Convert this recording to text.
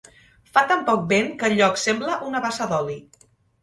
Fa tan poc vent que el lloc sembla una bassa d'oli.